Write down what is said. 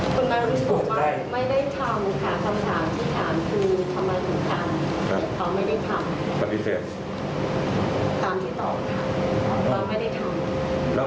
ตามที่ตอบค่ะแล้วไม่ได้ทำ